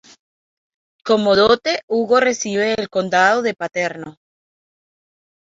Como dote Hugo recibe el condado de Paternò.